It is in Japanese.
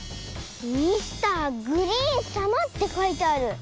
「ミスターグリーンさま」ってかいてある！